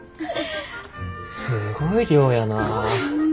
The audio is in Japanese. すごい量やなぁ。